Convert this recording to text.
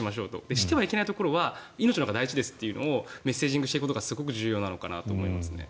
してはいけないところは命のほうが大事ですというのをメッセージングしていくことがすごく重要なのかなと思います。